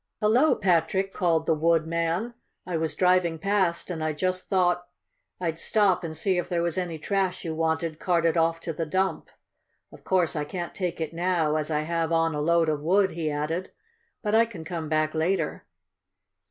"Hello, Patrick!" called the wood man. "I was driving past and I just thought I'd stop and see if there was any trash you wanted carted off to the dump. Of course I can't take it now, as I have on a load of wood," he added. "But I can come back later."